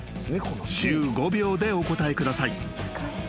［１５秒でお答えください］